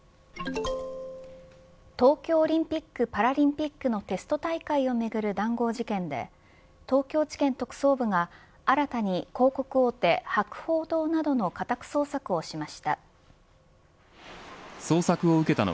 東京オリンピック・パラリンピックのテスト大会をめぐる談合事件で東京地検特捜部が新たに広告大手、博報堂などの家宅捜索をしました。